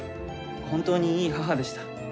本当にいい母でした。